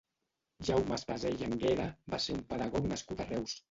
Jaume Espasell Anguera va ser un pedagog nascut a Reus.